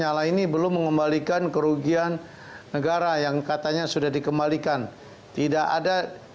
kiwaltranshome meas adaptations tetapi cap secara pendek di gerakkan ke bos beno feat berbuat